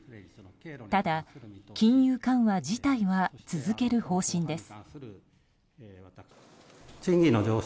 ただ、金融緩和自体は続ける方針です。